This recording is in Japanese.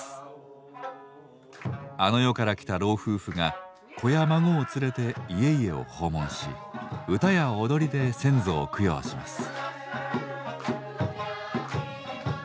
あの世から来た老夫婦が子や孫を連れて家々を訪問し歌や踊りで先祖を供養します。